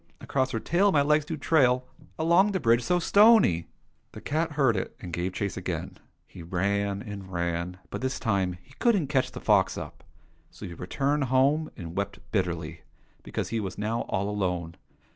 Across her tail My legs do trail Along the bridge so stony .'" The cat heard it, and gave chase again. He ran and ran, but this time he couldn't catch the fox up ; 192 THE CAT, THE COCK, AND FOX so he returned home and wept bitterly, because he was now all alone.